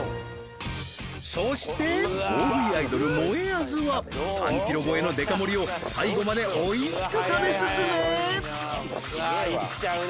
そして大食いアイドル・もえあずは３キロ超えのデカ盛を最後までおいしく食べ進めうわ